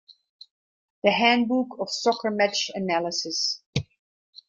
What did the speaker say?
The Handbook of Soccer Match Analysis.